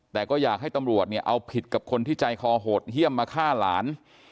แต่ก็อยากให้ตำรวจเนี่ยเอาผิดกับคนที่ใจคอโหดเยี่ยมมาฆ่าหลาน